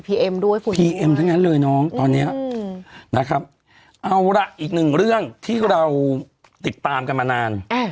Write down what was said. พีเอ็มทั้งนั้นเลยน้องตอนเนี้ยอืมนะครับเอาล่ะอีกหนึ่งเรื่องที่เราติดตามกันมานาน